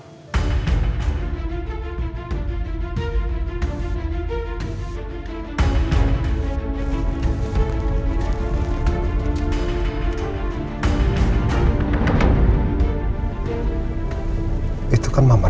tante aku mau kasih kamu uang